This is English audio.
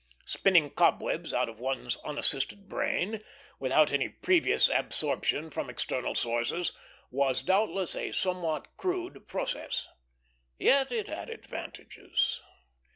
Spinning cobwebs out of one's unassisted brain, without any previous absorption from external sources, was doubtless a somewhat crude process; yet it had advantages.